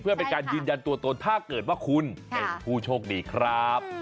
เพื่อเป็นการยืนยันตัวตนถ้าเกิดว่าคุณเป็นผู้โชคดีครับ